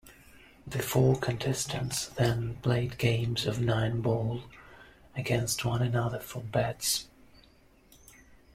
The four contestants then played games of nine ball against one another for bets.